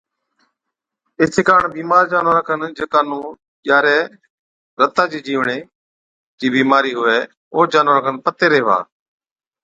ايڇي ڪاڻ بِيمار جانوَران کن جڪا نُون ڄاري (رتا چي جِيوڙين) چِي بِيمارِي هُوَي اوهچ جانوَرا کن پتي ريهوا۔